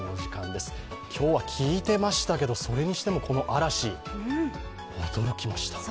今日は聞いてましたけど、それにしても、この嵐、驚きました。